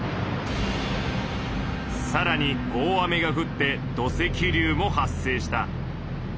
さらに大雨がふって土石流も発生した。